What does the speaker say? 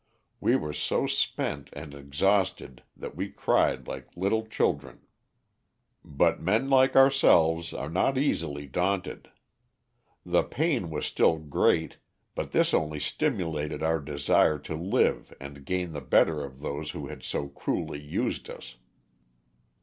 We were so spent and exhausted that we cried like little children. "But men like ourselves are not easily daunted. The pain was still great, but this only stimulated our desire to live and gain the better of those who had so cruelly used us.